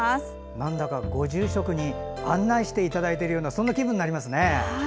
なんだか、ご住職に案内していただいているようなそんな気分になりますね。